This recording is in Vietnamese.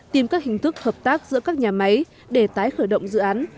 tìm các hình thức hợp tác giữa các nhà máy để tái khởi động dự án